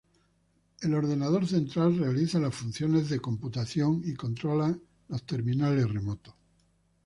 La computadora central realiza las funciones de computación y controla los terminales remotos.